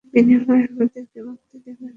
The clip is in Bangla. বিনিময়ে আমাদেরকে মুক্তি দেবেন।